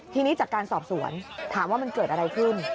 ทีนี้จากการสอบสวนถามว่ามันเกิดอะไรขึ้น